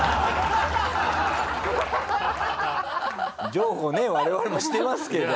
譲歩ね我々もしてますけど。